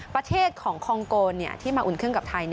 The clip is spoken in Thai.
ประเทศของคองโกที่มาอุ่นเครื่องกับไทย